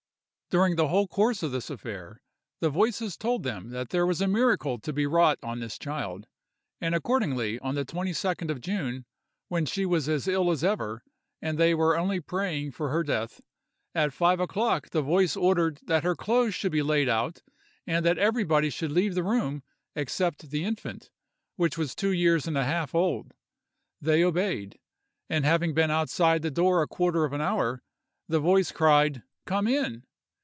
During the whole course of this affair, the voices told them that there was a miracle to be wrought on this child; and accordingly on the 22d of June, when she was as ill as ever and they were only praying for her death, at five o'clock the voice ordered that her clothes should be laid out, and that everybody should leave the room except the infant, which was two years and a half old. They obeyed; and having been outside the door a quarter of an hour, the voice cried, "Come in!"